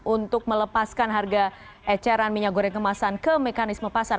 untuk melepaskan harga eceran minyak goreng kemasan ke mekanisme pasar